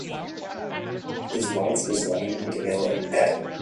His wife was lame and ill in bed.